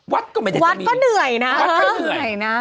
วัดก็หน่อยนะ